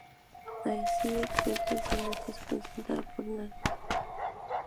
Así excretan salmuera concentrada por sus narinas.